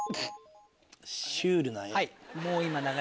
シュールな画。